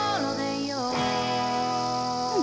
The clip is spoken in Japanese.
うん！